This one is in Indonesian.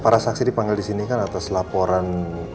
para saksi dipanggil disini kan atas laporan